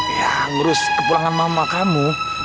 ya ngerus ke pulangan mama kamu